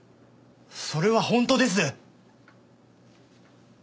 それは本当です。